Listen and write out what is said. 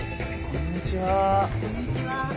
こんにちは。